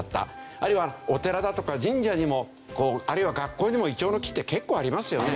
あるいはお寺だとか神社にもあるいは学校にもイチョウの木って結構ありますよね。